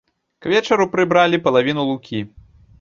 К вечару прыбралі палавіну лукі.